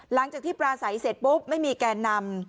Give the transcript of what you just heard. หลังจากที่ปราศัยเสร็จปุ๊บไม่มีแกนนำ